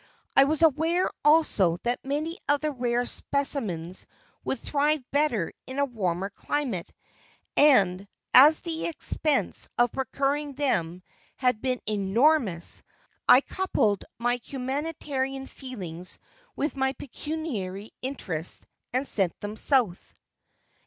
I was aware also that many of the rare specimens would thrive better in a warmer climate, and as the expense of procuring them had been enormous, I coupled my humanitarian feelings with my pecuniary interests and sent them South.